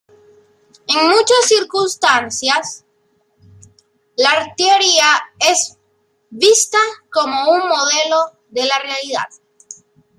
En muchas circunstancias, la teoría es vista como un modelo de la realidad.